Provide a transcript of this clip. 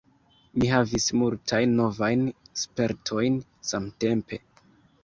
Mi havis multajn novajn spertojn samtempe.